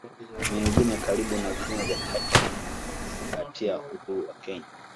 Mengine karibu na Vilima vya Taita na Kufuatia uhuru wa Kenya